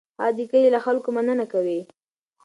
هغه د کلي له خلکو مننه کوي.